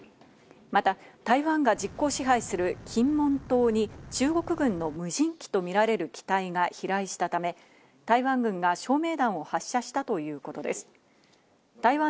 また台湾が実効支配する金門島に中国軍の無人機とみられる機体が飛来したため、台湾軍が照明弾を発射したということです。